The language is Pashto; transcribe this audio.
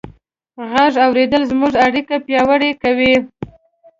غږ اورېدل زموږ اړیکې پیاوړې کوي.